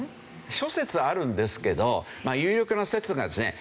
諸説あるんですけど有力な説がですね